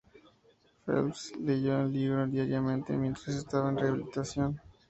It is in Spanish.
Phelps leyó el libro diariamente mientras estaba en rehabilitación.